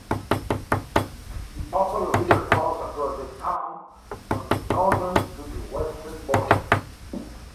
The Buffalo River flows across the town from the northern to the western border.